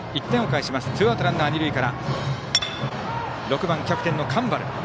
１点を返してツーアウトランナー二塁から６番、キャプテンの上原。